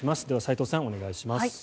では斎藤さん、お願いします。